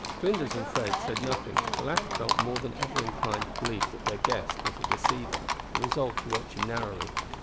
Flinders and Fred said nothing, but the latter felt more than ever inclined to believe that their guest was a deceiver, and resolved to watch him narrowly.